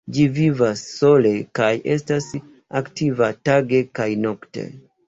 Ĝi vivas sole kaj estas aktiva tage kaj nokte.